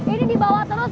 ini dibawa terus